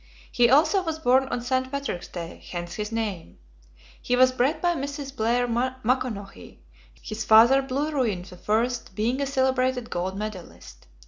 He also was born on St. Patrick's Day, hence his name. He was bred by Mrs. Blair Maconochie, his father, Blue Ruin I, being a celebrated gold medallist.